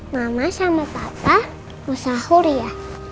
mama sama papa mau sahur ya